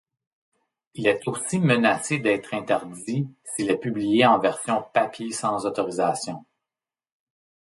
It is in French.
Il est aussi menacé d'être interdit s'il est publié en version papier sans autorisation.